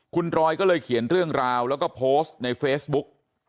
คุณรอยก็เลยเขียนเรื่องราวแล้วก็โพสต์ในเฟซบุ๊ก